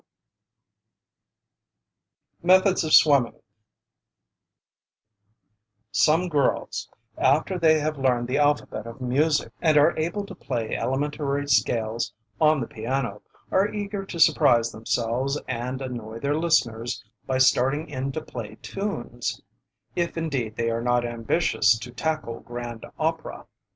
CHAPTER IX METHODS OF SWIMMING, FLOATING, DIVING, AND SOME GOOD WATER GAMES Some girls, after they have learned the alphabet of music, and are able to play elementary scales on the piano, are eager to surprise themselves and annoy their listeners by starting in to play tunes, if indeed they are not ambitious to tackle grand opera.